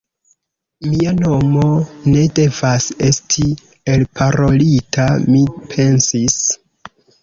Mia nomo ne devas esti elparolita, mi pensis.